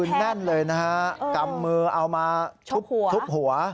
คือแน่นเลยนะฮะกำมือเอามาทุบหัว